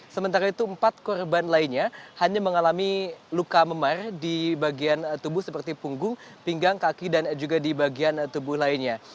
sementara itu empat korban lainnya hanya mengalami luka memar di bagian tubuh seperti punggung pinggang kaki dan juga di bagian tubuh lainnya